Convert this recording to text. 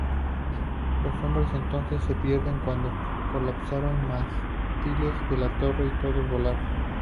Los hombres entonces se pierden cuando colapsaron mástiles de la torre y todos volaron.